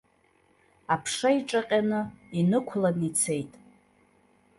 Аԥша иҿаҟьаны инықәлан ицеит.